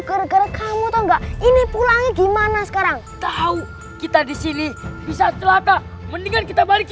gara gara kamu tahu enggak ini pulangnya gimana sekarang tahu kita disini bisa telata mendingan kita balik